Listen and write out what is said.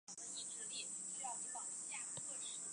由豫剧流入徐州地区后发展而成。